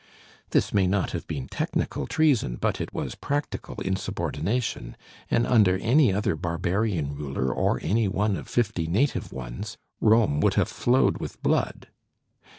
This may not have been technical treason, but it was practical insubordination; and under any other barbarian ruler or any one of fifty native ones, Rome would have flowed with blood.